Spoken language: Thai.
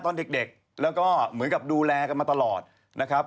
ตอนเด็กแล้วก็เหมือนกับดูแลกันมาตลอดนะครับ